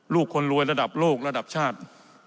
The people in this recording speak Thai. คนรวยระดับโลกระดับชาติ